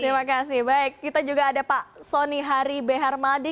terima kasih baik kita juga ada pak soni hari b harmadi